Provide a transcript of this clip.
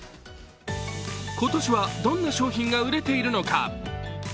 今年は、どんな商品が売れているのか。